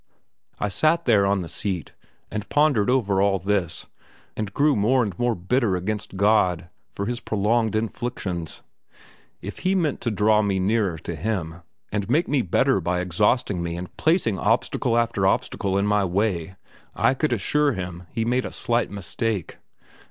I sat there on the seat and pondered over all this, and grew more and more bitter against God for His prolonged inflictions. If He meant to draw me nearer to Him, and make me better by exhausting me and placing obstacle after obstacle in my way, I could assure Him He made a slight mistake.